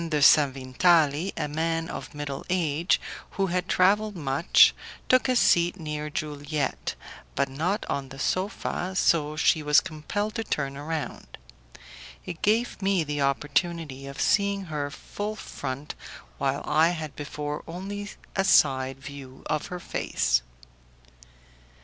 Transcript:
de Sanvitali, a man of middle age, who had travelled much, took a seat near Juliette, but not on the sofa, so she was compelled to turn round. It gave me the opportunity of seeing her full front, while I had before only a side view of her face.